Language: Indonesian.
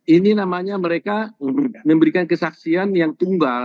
ini namanya mereka memberikan kesaksian yang tunggal